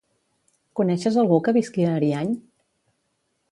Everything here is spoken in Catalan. Coneixes algú que visqui a Ariany?